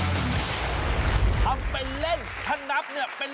ใครจะเป็นผู้โชคดีกล้วยเลย